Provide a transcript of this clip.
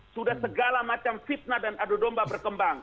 sudah segala macam fitnah dan adodomba berkembang